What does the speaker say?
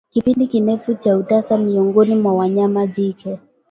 Kipindi kirefu cha utasa miongoni mwa wanyama jike